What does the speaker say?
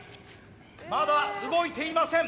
まだ動いていません。